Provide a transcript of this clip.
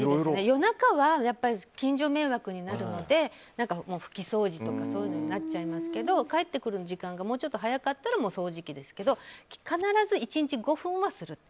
夜中は近所迷惑になるので拭き掃除とかそういうのになっちゃいますけど帰ってくる時間がもうちょっと早かったら掃除機ですけど必ず１日５分はする。